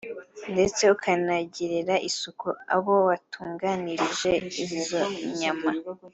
ndetse ukanagirira isuku aho watunganirije izo nyama